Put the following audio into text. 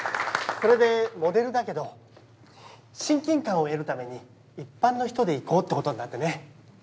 それでモデルだけど親近感を得るために一般の人でいこうってことになってね。